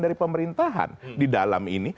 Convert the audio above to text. dari pemerintahan di dalam ini